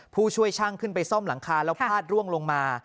ผู้ช่วยช่างขึ้นไปซ่อมหลังคาแล้วพลาดร่วงลงมา